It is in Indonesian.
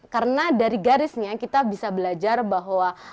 karena dari garisnya kita bisa belajar bahwa